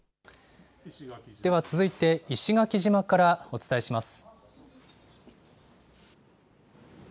では続いて、石垣島からお伝えします。